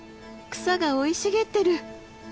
草が生い茂ってる！